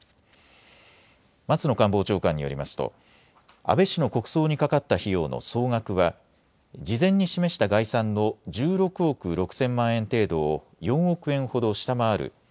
松野官房長官によりますと安倍氏の国葬にかかった費用の総額は事前に示した概算の１６億６０００万円程度を４億円ほど下回る